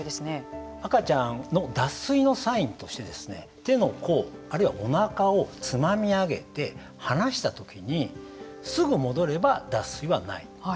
赤ちゃんの脱水のサインとして手の甲、あるいはおなかをつまみ上げて放したときにすぐ戻れば脱水はない。